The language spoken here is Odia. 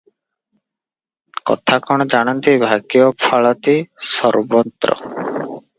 କଥା କଣ ଜାଣନ୍ତି 'ଭାଗ୍ୟ ଫାଳତି ସର୍ବନ୍ତ୍ର' ।